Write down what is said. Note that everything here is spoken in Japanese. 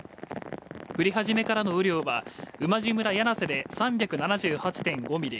降り始めからの雨量は馬路村魚梁瀬で３７８．５ミリ